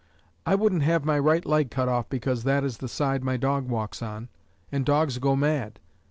I wouldn't have my right leg cut off because that is the side my dog walks on, and dogs go mad!